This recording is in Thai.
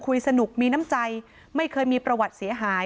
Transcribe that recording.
สนุกมีน้ำใจไม่เคยมีประวัติเสียหาย